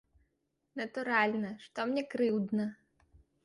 Натуральна, што мне крыўдна.